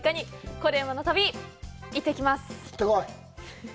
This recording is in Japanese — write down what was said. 「コレうまの旅」、行ってきます。